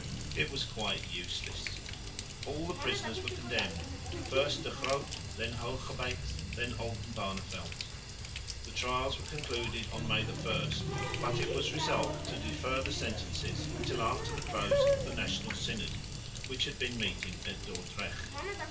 It was quite useless. All the prisoners were condemned, first De Groot, then Hoogerbeets, then Oldenbarneveldt. The trials were concluded on May 1, but it was resolved to defer the sentences until after the close of the National Synod, which had been meeting at Dordrecht.